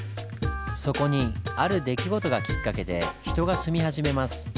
そこにある出来事がきっかけで人が住み始めます。